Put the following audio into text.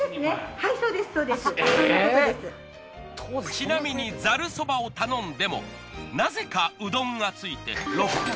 ちなみにざるそばを頼んでもなぜかうどんが付いて。